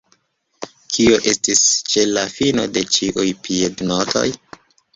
Kio estis ĉe la fino de ĉiuj piednotoj?